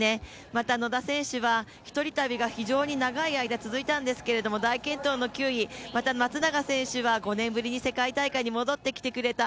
また野田選手は、１人旅が非常に長い間続いたんですが大健闘の９位、また松永選手は５年ぶりに世界大会に戻ってきてくれた。